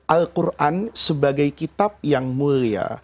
al quran sebagai kitab yang mulia